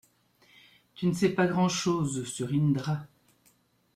Tu ne sais pas grand-chose sur Indra.